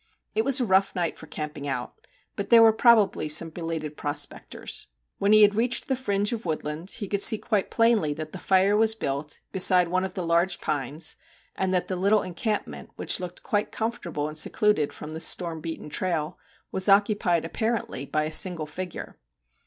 It was a rough night for camping out, but they were probably some belated prospectors. When he had reached the fringe of wood land, he could see quite plainly that the fire was built beside one of the large pines, and that the little encampment, which looked quite comfortable and secluded from the storm beaten trail, was occupied apparently by a single figure.